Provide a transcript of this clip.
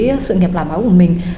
đối với sự nghiệp làm áo của mình